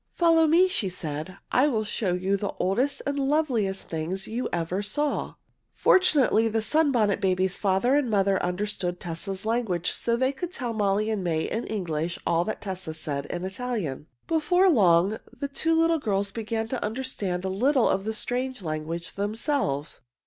"Follow me," she said. "I will show you the oldest and loveliest things you ever saw." Fortunately the Sunbonnet Babies' father and mother understood Tessa's language, so they could tell Molly and May in English all that Tessa said in Italian. Before long the two little girls began to understand a little of the strange language themselves.